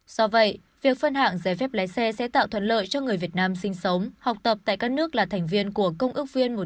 do vậy việc phân hạng giấy phép lái xe sẽ tạo thuận lợi cho người việt nam sinh sống học tập tại các nước là thành viên của công ước viên một nghìn chín trăm tám mươi